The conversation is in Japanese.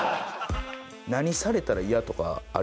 何されたら嫌とかあります？